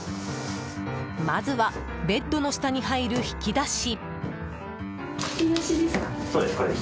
まずは、ベッドの下に入る引き出し。